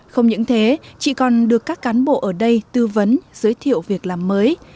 không những thế chị còn được các cán bộ ở đây tư vấn giới thiệu việc làm mới